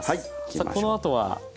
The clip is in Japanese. さあこのあとは。